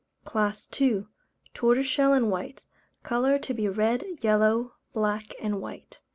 CLASS II. Tortoiseshell and White. Colour to be red, yellow, black, and white.